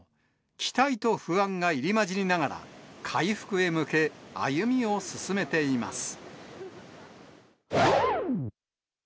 期待と不安が入り交じりながら、回復へ向け、歩みを進めています。